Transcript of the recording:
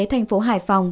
thành phố hải phòng